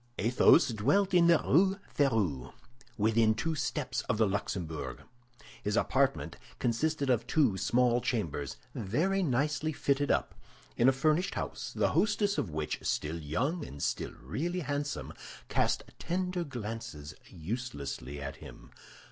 Athos dwelt in the Rue Férou, within two steps of the Luxembourg. His apartment consisted of two small chambers, very nicely fitted up, in a furnished house, the hostess of which, still young and still really handsome, cast tender glances uselessly at him.